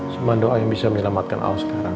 cuma doa yang bisa menyelamatkan aku sekarang